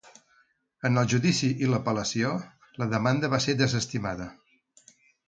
En el judici i l'apel·lació, la demanda va ser desestimada.